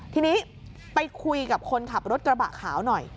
ทีนี้ไปคุยกับคนขับรถกระบะขาวหน่อย